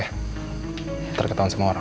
ntar ketahuan semua orang